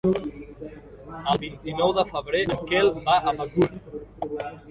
El vint-i-nou de febrer en Quel va a Begur.